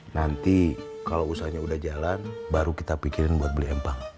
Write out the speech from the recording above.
nanti kalau usahanya udah jalan baru kita pikirin buat beli empang